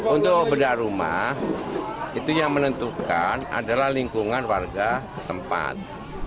untuk bedah rumah itu yang menentukan adalah lingkungan warga tempat